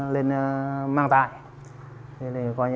lên mang tại